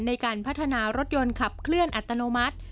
ในการพัฒนารถยนต์ขับเคลื่อนอัตโนมัติ